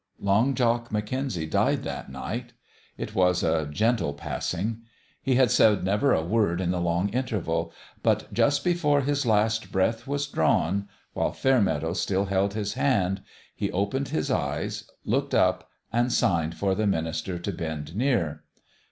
Long Jock McKenzie died that night. It was a gentle passing. He had said never a word in the long interval ; but just before his last breath was drawn while Fairmeadow still held his hand he opened his eyes, looked up, and signed for the minister to bend near.